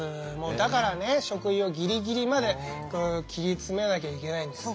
だからね食費をギリギリまで切り詰めなきゃいけないんですよ。